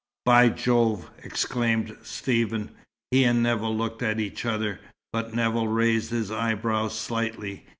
"By Jove!" exclaimed Stephen. He and Nevill looked at each other, but Nevill raised his eyebrows slightly.